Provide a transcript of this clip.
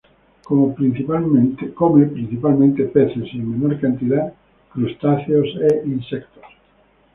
Come principalmente peces y, en menor cantidad, crustáceos e insectos.